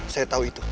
saya tau itu